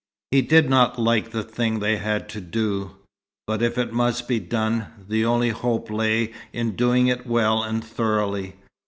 He did not like the thing they had to do, but if it must be done, the only hope lay in doing it well and thoroughly.